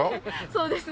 そうですね。